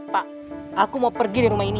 pak aku mau pergi di rumah ini